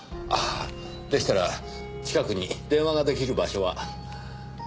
でしたら近くに電話が出来る場所は？